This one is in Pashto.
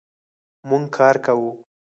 مونږ کار کوو